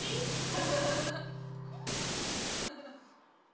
フフフフフ。